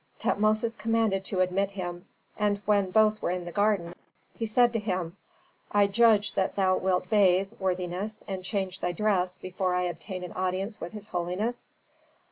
Tutmosis commanded to admit him, and when both were in the garden, he said to him, "I judge that thou wilt bathe, worthiness, and change thy dress before I obtain an audience with his holiness?"